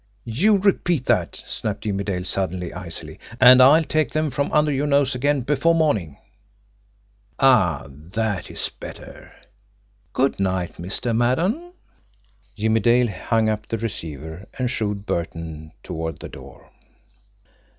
You repeat that," snapped Jimmie Dale suddenly, icily, "and I'll take them from under your nose again before morning! ... Ah! That is better! Good night Mr. Maddon." Jimmie Dale hung up the receiver and shoved Burton toward the door.